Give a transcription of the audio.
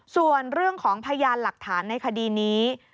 ส่วนเรื่องของพยานหลักฐานในคดีนี้